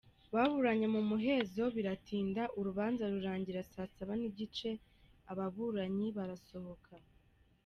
Baburanye mu muhezo biratinda, urubanza rurangira saa saba n’igice ababuranyi barasohoka.